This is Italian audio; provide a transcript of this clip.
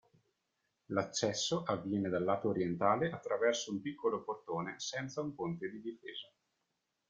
L'accesso avviene dal lato orientale attraverso un piccolo portone senza un ponte di difesa.